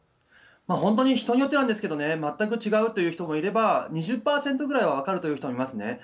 本当に人によってなんですけどね、全く違うという人もいれば、２０％ぐらいは分かるという人もいますね。